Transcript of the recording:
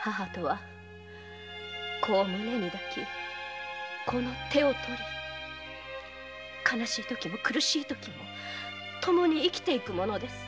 母とは子を胸に抱き子の手を取り悲しい時も苦しい時もともに生きていくものです。